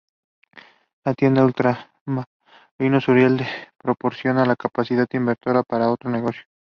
La tienda Ultramarinos Uriel le proporcionó la capacidad inversora para otro negocio.